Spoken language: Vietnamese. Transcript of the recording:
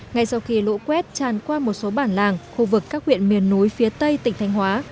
ngay sau khi lũ quét tràn qua một số bản làng khu vực các huyện miền núi phía tây tỉnh thanh hóa